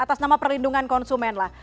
atas nama perlindungan konsumen lah